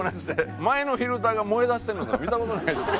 前のフィルターが燃え出してるのとか見た事ないでしょ？